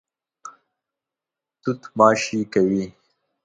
توت ماشې کوي.